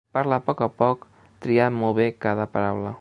Parla a poc a poc, triant molt bé cada paraula.